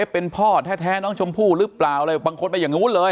เป็นพ่อแท้น้องชมพู่หรือเปล่าอะไรบางคนไปอย่างนู้นเลย